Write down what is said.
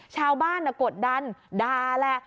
ชาวบ้านกดดันด่าแหละ